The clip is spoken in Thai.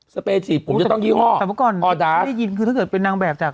เปยจีบผมจะต้องยี่ห้อแต่เมื่อก่อนออดาได้ยินคือถ้าเกิดเป็นนางแบบจาก